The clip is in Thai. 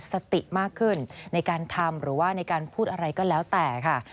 สติมากขึ้นในการทำหรือว่าในการพูดอะไรก็แล้วแต่ค่ะ